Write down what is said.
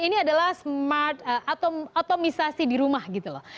ini adalah smart atomisasi di rumah gitu loh